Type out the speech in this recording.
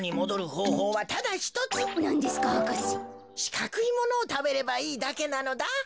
しかくいものをたべればいいだけなのだ。